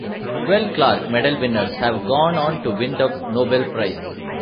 Twelve Clark Medal winners have gone on to win the Nobel Prize.